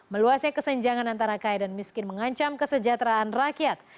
meluasnya kesenjangan antara kaya dan miskin mengancam kesejahteraan rakyat